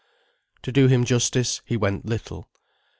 To do him justice, he went little.